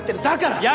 だから！